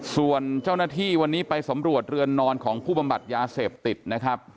ส่วนเจ้าหน้าที่วันนี้ไปสำรวจเรือนนอนของผู้บำบัดยาเสพติดนะครับ